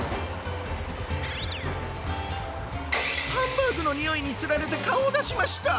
ハンバーグのにおいにつられてかおをだしました！